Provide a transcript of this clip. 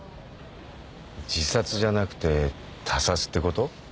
自殺じゃなくて他殺ってこと？